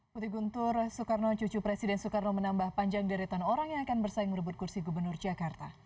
putih guntur soekarno cucu presiden soekarno menambah panjang deretan orang yang akan bersaing merebut kursi gubernur jakarta